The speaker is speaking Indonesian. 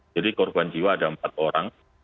jadi korban jiwa ada empat orang